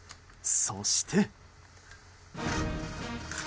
そして。